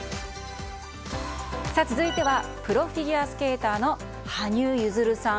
続いてはプロフィギュアスケーターの羽生結弦さん。